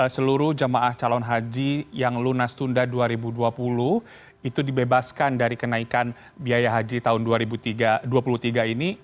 seluruh jemaah calon haji yang lunas tunda dua ribu dua puluh itu dibebaskan dari kenaikan biaya haji tahun dua ribu dua puluh tiga ini